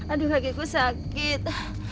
aduh kakiku sakit